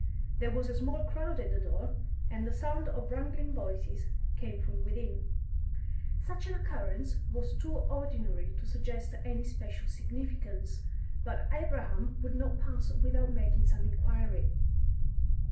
There was a small crowd at the door, and the sound of wrangling voices came from within. Such an occurrence was too ordinary to suggest any special significance, but Abraham would not pass without making some inquiry.